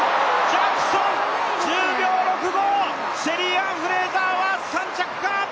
ジャクソン、１０秒６５、シェリーアン・フレイザーは３着か。